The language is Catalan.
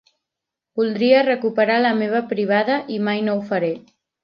Voldria recuperar la meva privada i mai no ho faré.